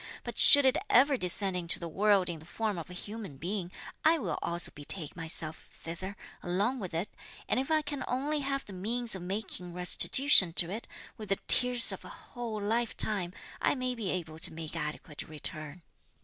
But should it ever descend into the world in the form of a human being, I will also betake myself thither, along with it; and if I can only have the means of making restitution to it, with the tears of a whole lifetime, I may be able to make adequate return."